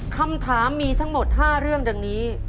คำถามมีทั้งหมด๕เรื่องดังนี้